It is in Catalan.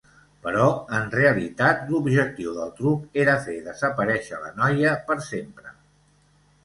Però en realitat l’objectiu del truc era fer desaparèixer la noia per sempre.